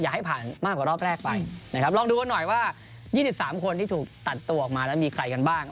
ให้ผ่านมากกว่ารอบแรกไปนะครับลองดูกันหน่อยว่า๒๓คนที่ถูกตัดตัวออกมาแล้วมีใครกันบ้าง